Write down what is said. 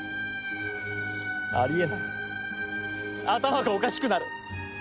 あり得ない頭がおかしくなる。